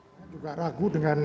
saya juga ragu dengan